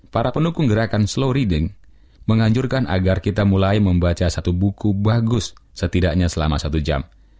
para pendukung gerakan slow reading menganjurkan agar kita mulai membaca satu buku bagus setidaknya selama satu jam